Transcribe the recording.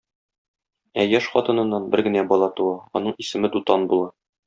Ә яшь хатыныннан бер генә бала туа, аның исеме Дутан була.